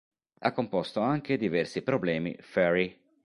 Ha composto anche diversi problemi "Fairy".